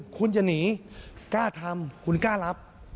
คุณจะหนีกล้าทำคุณกล้ารับ